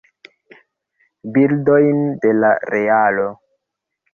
Bildojn de la realo.